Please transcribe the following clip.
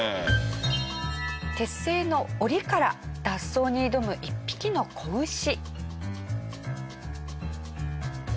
鉄製の檻から脱走に挑む１匹の子牛。